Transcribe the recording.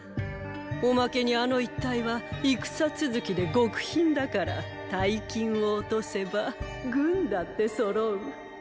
おまけにあの一帯は戦続きで極貧だから大金を落とせば軍だってそろう。